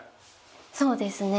そうですね。